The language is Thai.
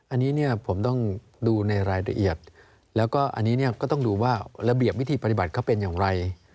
อันนี้เนี่ยผมต้องดูในรายละเอียดแล้วก็อันนี้เนี่ยก็ต้องดูว่าระเบียบวิธีปฏิบัติเขาเป็นอย่างไร